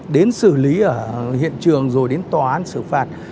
đến xử lý ở hiện trường rồi đến tòa án xử phạt